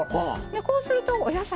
こうするとお野菜